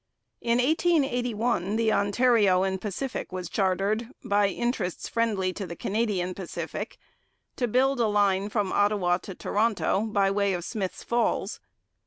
In 1881 the Ontario and Quebec was chartered, by interests friendly to the Canadian Pacific, to build a line from Ottawa to Toronto, by way of Smith's Falls.